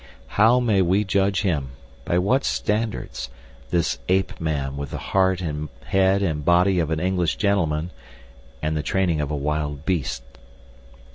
How may we judge him, by what standards, this ape man with the heart and head and body of an English gentleman, and the training of a wild beast?